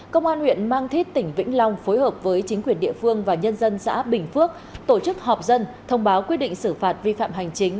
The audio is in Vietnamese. công an huyện mang thít tỉnh vĩnh long phối hợp với chính quyền địa phương và nhân dân xã bình phước tổ chức họp dân thông báo quyết định xử phạt vi phạm hành chính